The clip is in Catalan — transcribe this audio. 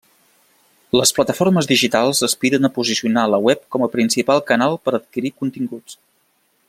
Les plataformes digitals aspiren a posicionar la web com a principal canal per adquirir continguts.